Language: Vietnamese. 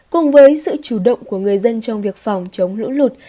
cùng với sự chủ động của người dân trong việc phòng chống lũ lụt